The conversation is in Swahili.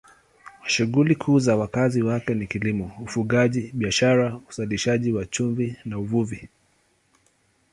Shughuli kuu za wakazi wake ni kilimo, ufugaji, biashara, uzalishaji wa chumvi na uvuvi.